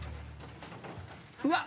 うわっ！